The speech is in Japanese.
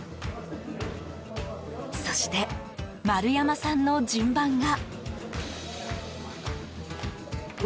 そして、丸山さんの順番が。